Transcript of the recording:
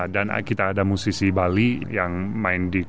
dan kita ada musisi bali